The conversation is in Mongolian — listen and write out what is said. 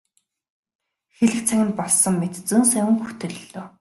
Хэлэх цаг нь болсон мэт зөн совин хөтөллөө.